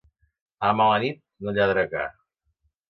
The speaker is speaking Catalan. A mala nit, no lladra ca.